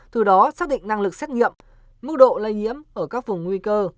từ đó xác định năng lực xét nghiệm mức độ lây nhiễm ở các vùng nguy cơ